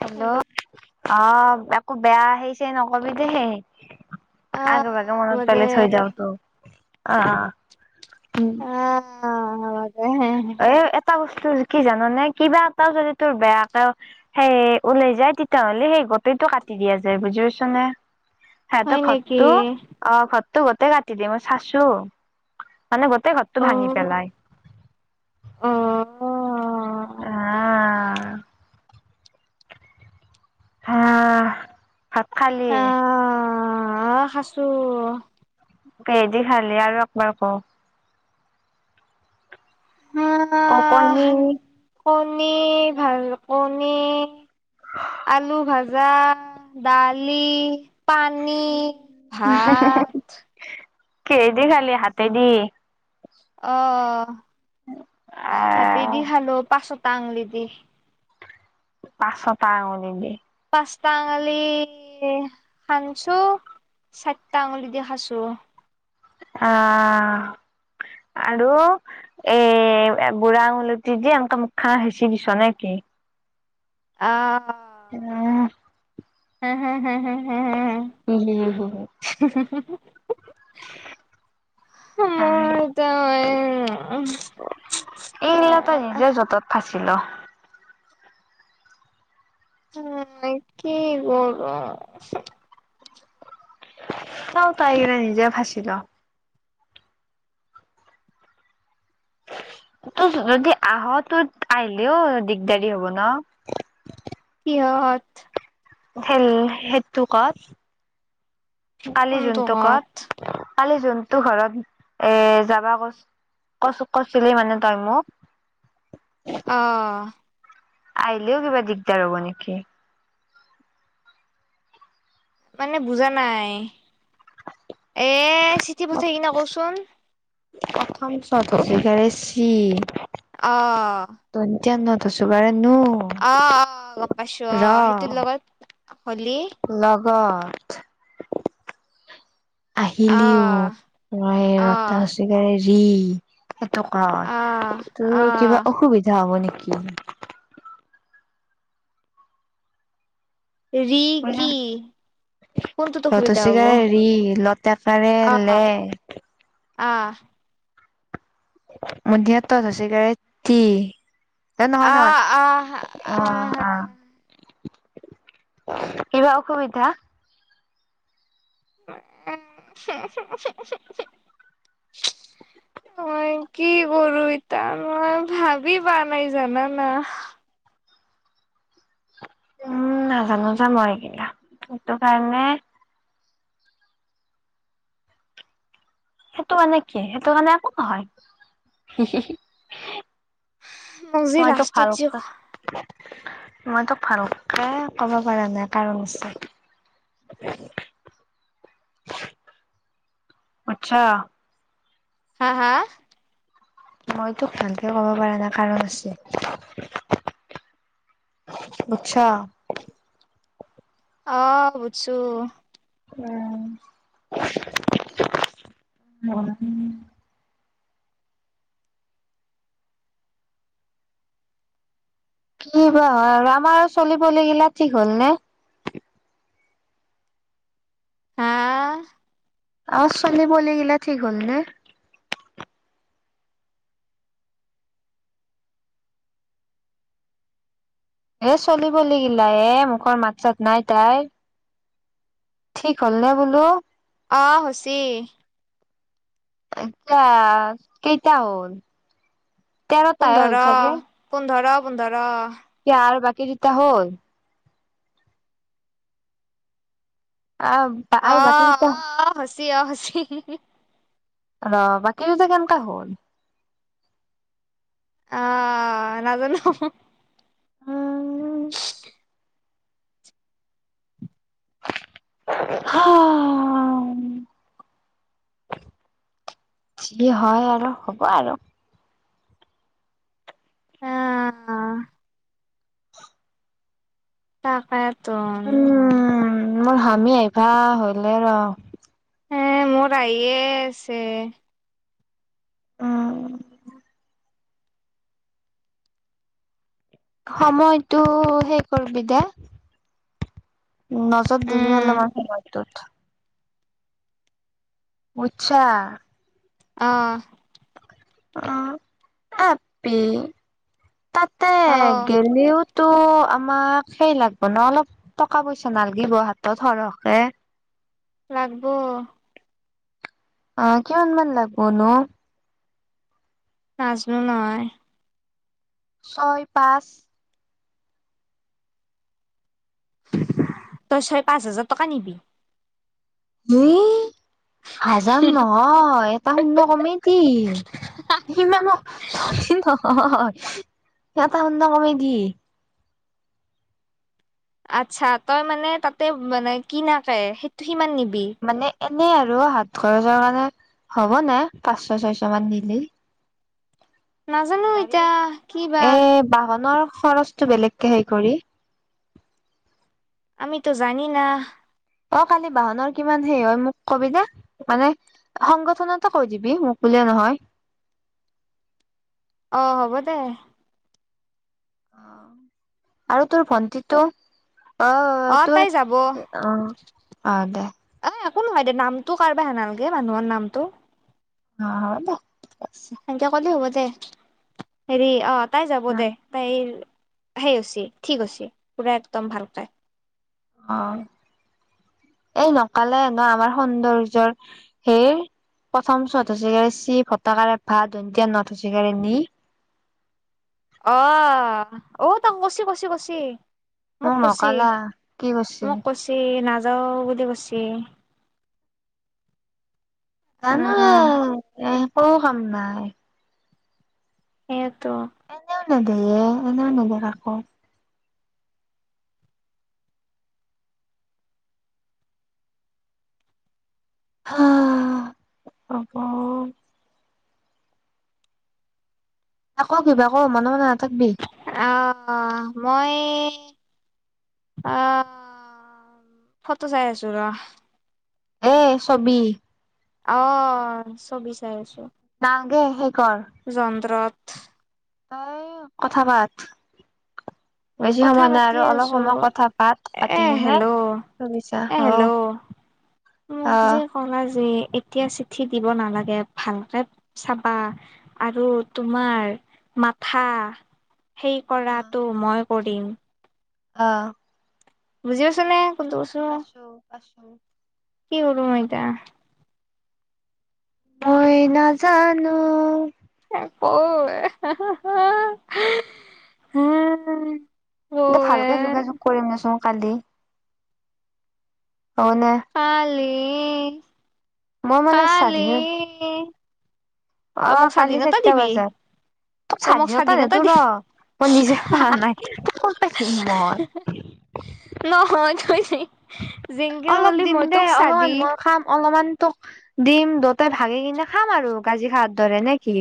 Hello অ একো বেয়া হেই ছেই নকবি দেই। আগ ভাগে আহ মনত মদে পেলাই থৈ দিও আকৌ অ অ। উম। অ। এ এটা তোৰ কি জানানে কিবা এটাও যদি তোৰ বেয়াকেও সেই ওলাই যায় তেতিয়াহলে সেই গোটেই টো কাটি দিয়া যায় বুজি পাইছ নে? হয় সিহতৰ নেকি ঘৰটো অ ঘৰটো গোতেই কাটিলে মই চাছো। মানে গোটেই ঘৰটো অ ভাঙি পেলাই অ এ আ আ। হা ভাত খালি? আহ খাসু। কিহে দি খালি? আৰু একবাৰ কওঁ ক আহ কণী কণী ভাত কণী [unintelligible] আলু ভাজা, দালি [unintelligible] পানী ভাত [unintelligible] কিহে দি খালি হাতে দি [unintelligible] অ হাতে আহ দি খালো পাঁচোটা আঙুলি দি পাঁচটা আঙুলি দি পাঁচটা আঙলি হনঞ্চু চাৰিটা আঙুলি দি খাইছো। আহ। আৰু এ বুঢ়া আঙুলিটো দি এনেকে মুখ খনত সেঁচি দিছোঁ এনেকে। অ। উম ম হুম-হুম-হুম। উম হম। [unintelligible] [unintelligible] মই এইটা এই গিলা তই নিজে জত য'ত তত ফাঁচি ল। [unintelligible] কি কৰোঁ তও তাই কিনে নিজে ফাঁচিল। হ [unintelligible] তোৰ যদি আহ তোৰ আহিলেও দিগদাৰি হ'ব ন? [unintelligible] কিহত [unintelligible] হেৰি হেইটো কত কালি কোনটো যোনটো ঘৰত কত ‌ [unintelligible] কালি যোনটো ঘৰত এ যাবা কছ কছ কৈছিলি মানে তই মোক [inaudible] আহ [unintelligible] আহিলও কিবা দিগদাৰ হ'ব নেকি [unintelligible] মানে বুজা নাই এ চিঠি পথাই কিনে [unintelligible] ক চোন [unintelligible] [unintelligible] প্ৰথম চত সচ‌ই কাৰে চি আহ [unintelligible] [unintelligible] চুবাৰ [unintelligible] আহ আহ গম পাইছো ৰ আহ সেইটো লগত হলি [unintelligible] ঘঠ আহিলিও অ', মই ৰত অ', হচ‌ই কাৰে ৰি [unintelligible] [unintelligible] সেইটো অ', কাৰত তোৰ অ', কিবা অসুবিধা হ'ব নেকি [unintelligible] ৰি কি কোনটোত [unintelligible] অসুবিধা হ'ব ৰতচিকাৰে ৰি লে আহ [unintelligible] [unintelligible] মধহাত থছে গতি [unintelligible] [unintelligible] এ নহয় নহয় আহ আহ আহ আহ [unintelligible] কিবা অসুবিধা [unintelligible] [inaudible] [inaudible] [unintelligible] মই কি কৰো ইতা মই ভাবি পোৱা নাই জানানা [unintelligible] [unintelligible] উম নাজানো জ মই এইগিলা সেইটো কাৰণে [unintelligible] সেইটো মানে কি সেইটো কাৰণে একো নহয় মোক যি মইতো লাষ্টত যি ভালকা মইতো ভালককে ক'ব পৰা নাই কাৰণ হৈছে উ [unintelligible] আচ্ছা হা হা মই তোক ভালকে ক'ব পাৰা নাই কাৰণ আছে বোচা অহ বুছো। উ [unintelligible] কি বা হয় আৰু আমাৰো চলিবলগিলা ঠিক হ'ল নে হা অ চী ব গিলা ঠিক হললে [unintelligible] এ চলিব লাগিলা এ মুখৰ মাত চাত নাই তাই ঠিক হলনে বোলো অ হুচি আচা কেইটা হ'ল তেৰটাহে হ'ল পোন্ধৰা পোন্ধৰা পোন্ধৰা এয়া আৰু বাকীগেটা হ'ল আহ আৰু বাকী আহ দুটা অ হচি আহ হচ ৰ বাকীটো যে কেনেকুৱা হ'ল আহ নাজানে উ [unintelligible] হ [unintelligible] যি হয় আৰু হ'ব আৰু অহ অহ তাকে চোন উম মোৰ সামী আহিবা হলে ৰ হে মোৰ আহিয়ে আছে উম সময়টো সে কৰিবি দে নজৰ দিবি উম অলপ সময়তো বোচ্ছা। অহ অহ আপি তাতে অ গলেওতো আমাক সেই লাগিব ন অলপ টকা পইচা নালাগিব হাতত সৰহকে লাগব আহ কিমান মান লাগবনো নাজনো নহয় ছয় পাঁচ। তই ছয় পাঁচ হাজাৰ টকা নিবি মোই হাজৰ নহয় এটা শুন কমে কি সিমান ম ন সটা সন্দ কমাই দিিয [unintelligible] আচ্ছা তই মানে তাতে মানে কিনাকে সেইটো সিমান নি মানে এনেই আৰু হাত খৰচৰ মানে হ'ব নে পাঁচশ ছয়শ মান নিলেই নাজানো গাড়ী এতিয়া কি বা এ বাহনৰ খৰচতো বেলেগকে হেৰি কৰি আমিতো জানি না অহ কালি বাহনৰ কিমান হেৰি হয় মোক কবি দে মানে সংগঠনতে কৈ দিবি মোক বো যে নহয় অহ হ'ব দে। আৰু তোৰ ভন্টিটো অ তাই টোৰ যাব অ অ দে কোন হয় এ দে নামটো কাৰোবাৰ হে নালগে মানুহৰ নামটো অ হব দে ঠিক আছে সেনেকে কলে হ'ব দে হেৰি অ তাই যাব দে তাই সেই হৈছি ঠিক হৈছি পোৰা একদম ভাল পায়। অহ এই নকালে না আমাৰ সৌন্দৰ্য্যৰ হেৰ প্ৰথম [unintelligible] চি ভটাকাৰে ভাত ধন দিয়া নথ হুচিকাৰে নি [unintelligible] অহ ঔ তাক কছি কছি মোক কৈছি নকালা কি কৈছে মোক কৈছি নাজান নাযাওঁ বুলি কৈছি জানো আহ এ একো কাম নাই সেইটো নিদিয়ে এনে নিদিয়ে কাকো হ, হ'ব আকৌ কিবা ক মানে অহ মইয়ে আহ, ফটো চাই আছো ৰ এ ছবি অহ ছবি চাই আছো নালগে কৰ যন্তত তই কথা পাত বেছি কথা সময় নাই পাতি আৰু অলপ আছো সময় কথা পাত পাতি এ কিনে হেল্ল' এ হেল্ল' [unintelligible] [inaudible] মোক অ যে সহায় যে এতিয়া চিঠি দিব নালাগে ভালকে চাবা আৰু তোমাৰ মাথা সেই কৰাটো মই কৰিম আহ বুজি পাইচানে কোনটো কৈছো পাইছোঁ কি কৰো মই এতিয়া। মই নাজানো। [unintelligible] দে এতিয়া ভালকে ক যোগাযোগ কৰিম দেচোন কালি হ'বনে কালি, মই মানে কালি স্বাধীন অ তই মোক কালি স্বাধীনতা চাৰিটা দিবি বজাত তোক তই মোক স্বাধীনতা নিদো দি ন মই নিজে পাহা নাই ক'ত পঢ়িম মই নহয় তই জিংকে অলপ বুলি দিম মই তোক দেই অলপমান স্বাধী মই খাম অলপমান তোক দিম দুতাই ভাগি কিনে খাম আৰু কাজি খাৰ দৰে নেকি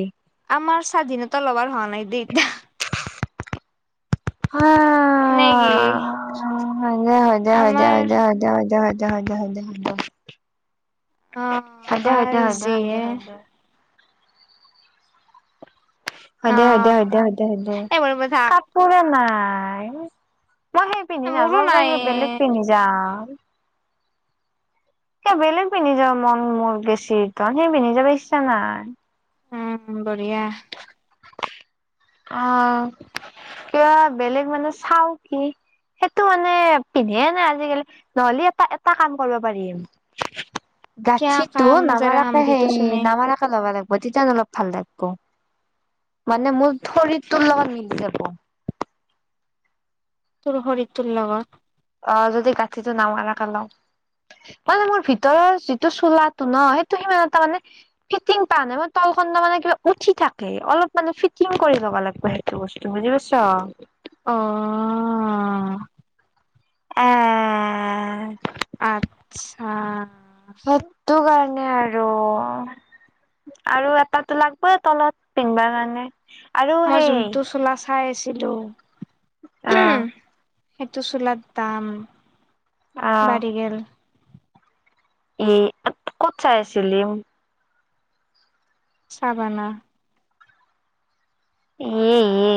আমাৰ স্বাধীনতা লবৰ হোৱা নাই দেই এতিয়া নে কি হয় দে হয় দে আমাৰ হয় দে হয় দে হয়‌ দে হয় দে অ হয় আমাৰ দে যিহে হয় দে হয় অ দে হয় দে হয় দে এই বৰিব থাক কাপোৰে নাই মই সেই পিন্ধি মোৰো নাযাও নাই চাগে বেলেগ পিন্ধি যাওঁ এ বেলেগ পিন্ধ যা মন মোৰ গে চীৰ্তন সেই পিন্ধি যাব ইচ্ছা নাই উম বঢ়িয়া অ কিবা বেলেগ মানে চাও কি সেইটো মানে পিন্ধে নাই আজিকালি নহ'লে এটা এটা কাম কৰিব পাৰিম,। কিয়া গাঁঠিতো কাম যাৰা হাম নামাৰকে ভি তো সেই চুনে নামাৰকে ল'বা লাগিব। ম তেতিান অলপ ভাল লাগিব। মানে মোৰ শৰীৰটোৰ লগত মিলি যাব। তোৰ ভৰি তোৰ লগত। অ যদি গাঁঠিটো নামাৰাকে লওঁ মানে মোৰ ভিতৰৰ যিটো চোলাটো ন সেইটো সিমান এটা মানে ফিটিং পোৱা নাই মই ত মানে কিবা উঠি থাকে অলপ মানে ফিটিং কৰি লব লাগিব সেইটো বস্তু বুজি পাইছ অ উম আচ্ছা সেতু কাৰ এ আৰু আৰু এটা লাগবই তলত পিন্ধবা কাৰণে আৰু মই সেই জোনটো চোলা চাই আছিলো আহ সেইটো চুলাৰ দাম বাঢ়ি গল। এই ক'ত চাই আছিল ল চাবানা উ উ উ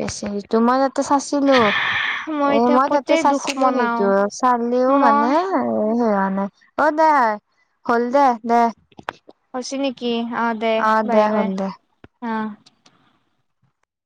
বেছ তোমাৰ চাছিলো এ এতিয়া মই তাতে ক'তে দুখ চাইছিলো মনাও সেইটো চালেও মানে মই এ সে অ দে হ'ল দে দে অ নেকি অ দে বাই বাই অ।